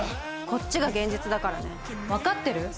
こっちが現実だからね分かってる？